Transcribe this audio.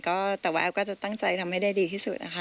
ก็แต่ว่าแอฟก็จะตั้งใจทำให้ได้ดีที่สุดนะคะ